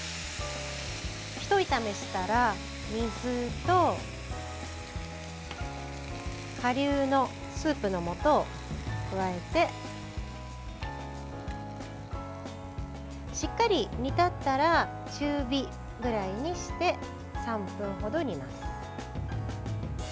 一炒めしたら、水とかりゅうのスープのもとを加えてしっかり煮立ったら中火ぐらいにして３分ほど煮ます。